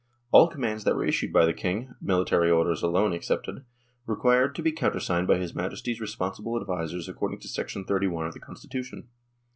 All commands that were issued by the King (military orders alone excepted) required to be countersigned by his Majesty's responsible advisers according to 31 of the Constitution.